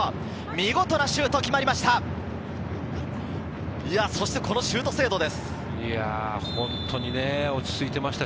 見事なシュートが決まりました。